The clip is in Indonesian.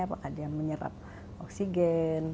apakah dia menyerap oksigen